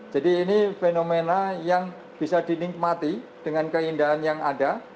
jadi ini fenomena yang bisa dinikmati dengan keindahan yang ada